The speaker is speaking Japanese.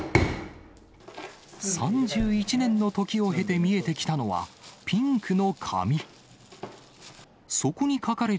３１年のときを経て見えてきたのは、ピンクの紙。